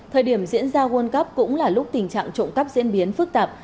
thời điểm diễn ra world cup cũng là lúc tình trạng trộm cắp diễn biến phức tạp